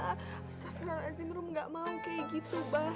astaghfirullahaladzim rum gak mau kayak gitu mba